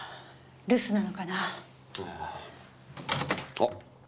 あっ！